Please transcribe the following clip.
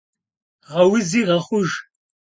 Гъэузи гъэхъуж.